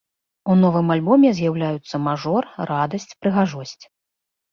У новым альбоме з'яўляюцца мажор, радасць, прыгажосць.